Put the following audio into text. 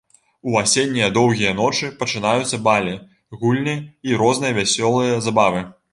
У асеннія доўгія ночы пачынаюцца балі, гульні і розныя вясёлыя забавы.